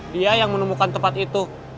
dia yang menemukan tempat itu